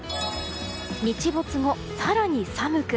日没後、更に寒く。